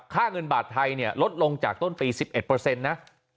ค่าเงินบาทไทยเนี่ยลดลงจากต้นปีสิบเอ็ดเปอร์เซ็นต์นะ